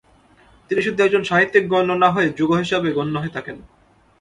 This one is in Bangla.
তিনি শুধু একজন সাহিত্যিক গণ্য না হয়ে যুগ-হিসাবে গণ্য হয়ে থাকেন।